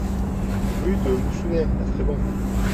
Rue de l'Oussouet à Trébons